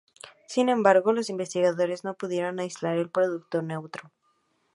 Sin embargo, los investigadores no pudieron aislar el producto neutro.